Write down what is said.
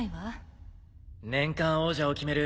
年間王者を決める